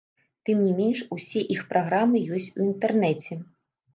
Тым не менш усе іх праграмы ёсць у інтэрнэце.